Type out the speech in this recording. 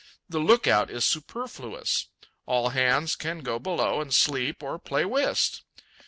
The lookout is superfluous. All hands can go below and sleep or play whist.